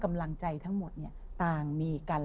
กำลังใจทั้งหมดต่างมีกัน